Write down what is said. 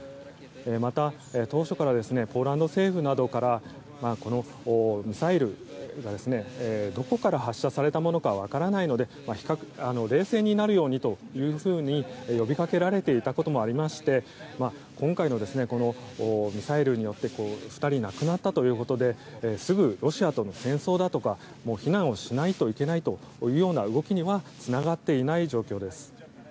また、当初からポーランド政府などからこのミサイルがどこから発射されたものか分からないので冷静になるようにと呼びかけられていたこともありまして今回のこのミサイルによって２人が亡くなったということですぐ、ロシアとの戦争だとか避難をしないといけないという動きにはつながっていない状況です。